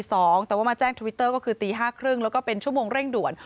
แต่ว่ามาแจ้งทวิตเตอร์ก็คือตี๕๓๐แล้วก็เป็นชั่วโมงเร่งด่วน